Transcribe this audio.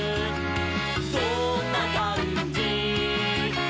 どんなかんじ？」